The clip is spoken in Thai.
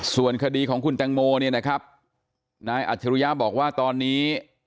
ส่วนคดีของคุณแตงโมเนี่ยนะครับนายอัจฉริยะบอกว่าตอนนี้